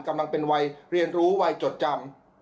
กำลังเป็นวัยเรียนรู้วัยจดจำ